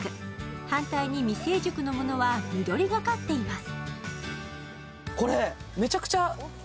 反対に未成熟のものは緑がかっています。